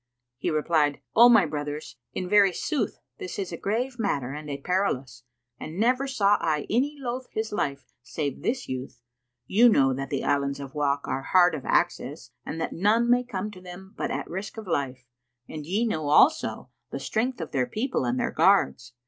He replied, "O my brothers, in very sooth this is a grave matter and a perilous; and never saw I any loathe his life save this youth. You know that the Islands of Wak are hard of access and that none may come to them but at risk of life; and ye know also the strength of their people and their guards.